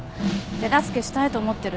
手助けしたいと思ってるの。